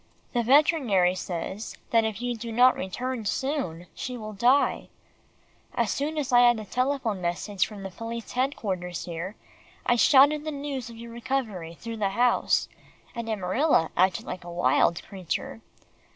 The veterinary says that if you do not return soon, she will die. As soon as I had the telephone message from police headquarters here, I shouted the news of your recovery through the house, and Amarilla acted like a wild creature.